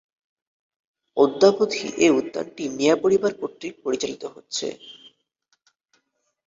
অদ্যাবধি এ উদ্যানটি মিয়া পরিবার কর্তৃক পরিচালিত হচ্ছে।